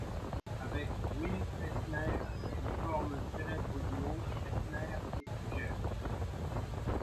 Avec Will Eisner, il forme le célèbre duo Eisner et Iger.